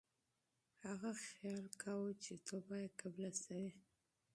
هغه سوچ کاوه چې توبه یې قبوله شوې.